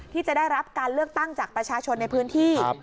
ที่จะได้รับการเลือกตั้งจากประชาชนในพื้นที่